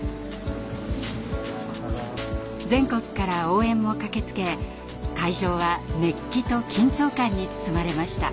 全国から応援も駆けつけ会場は熱気と緊張感に包まれました。